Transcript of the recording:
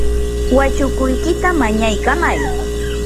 wachukuykita mañaykamay.